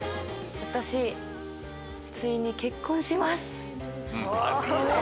私ついに結婚します。